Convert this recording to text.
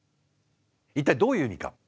一体どういう意味か。